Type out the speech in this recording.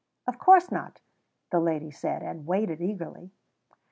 "Of course not," the lady said, and waited eagerly.